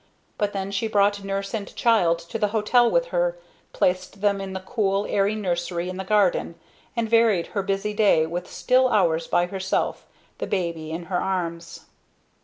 But then she brought nurse and child to the hotel with her, placed them in the cool, airy nursery in the garden, and varied her busy day with still hours by herself the baby in her arms.